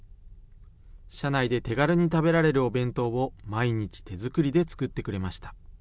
車内で手軽に食べられるお弁当を、毎日手作りで作ってくれました。